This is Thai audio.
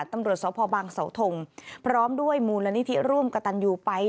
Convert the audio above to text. ตำรวจสพบังเสาทงพร้อมด้วยมูลนิธิร่วมกระตันยูไป